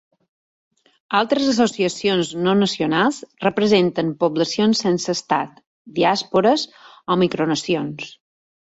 Altres associacions no nacionals representen poblacions sense estat, diàspores o micronacions.